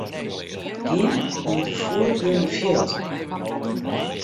Gean nei de foargeande fjild.